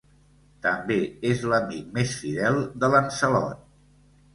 També és l'amic més fidel de Lancelot.